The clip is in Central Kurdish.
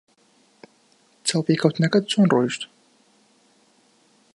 چاوپێکەوتنەکەت چۆن ڕۆیشت؟